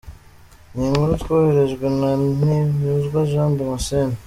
Ni inkuru twohererejwe na Ntihinyuzwa Jean Damascene.